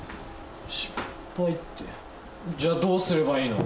失敗ってじゃあどうすればいいの？